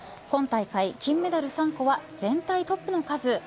今大会、金メダル３個は全体トップの数。